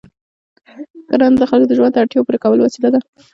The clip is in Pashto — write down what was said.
کرنه د خلکو د ژوند د اړتیاوو پوره کولو وسیله ده.